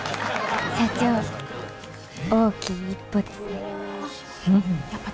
社長大きい一歩ですね。